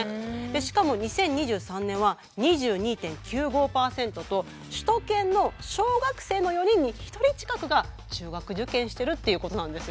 しかも２０２３年は２２．９５％と首都圏の小学生の４人に１人近くが中学受験してるっていうことなんですよね。